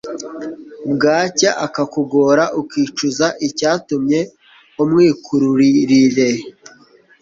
bwacya akakugora, ikicuza icyatumye umwikururire